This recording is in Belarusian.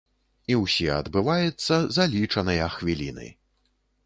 І ўсе адбываецца за лічаныя хвіліны.